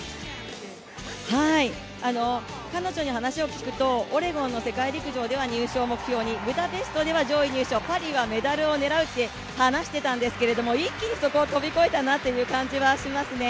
彼女に話を聞くと、オレゴンの世界陸上では入賞を目標に、ブダペストでは上位入賞、パリはメダルを狙うって話していたんですけど、一気にそこを飛び越えたなという感じはしますね。